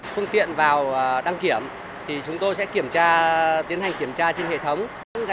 phương tiện vào đăng kiểm thì chúng tôi sẽ kiểm tra tiến hành kiểm tra trên hệ thống